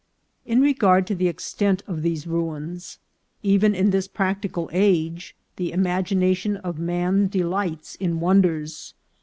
In regard to the extent of these ruins. Even in this practical age the imagination of man delights in won ders.